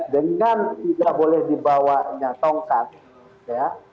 dengan tidak boleh dibawanya tongkat ya